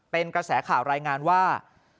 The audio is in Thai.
เป็นกระแสข่าวรายงานว่า